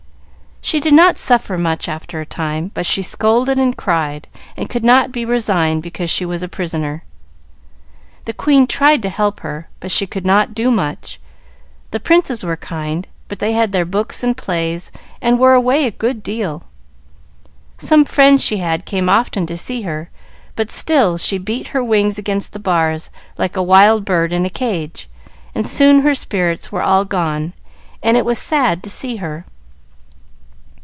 "She did not suffer much after a time, but she scolded and cried, and could not be resigned, because she was a prisoner. The queen tried to help her, but she could not do much; the princes were kind, but they had their books and plays, and were away a good deal. Some friends she had came often to see her, but still she beat her wings against the bars, like a wild bird in a cage, and soon her spirits were all gone, and it was sad to see her."